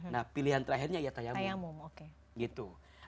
nah pilihan terakhirnya ya tayamum gitu